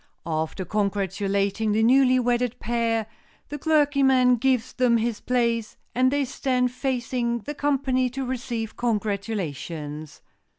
After congratulating the newly wedded pair, the clergyman gives them his place, and they stand facing the company, to receive congratulations.